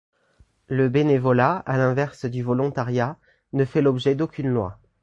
Le bénévolat, à l’inverse du volontariat, ne fait l’objet d’aucune loi.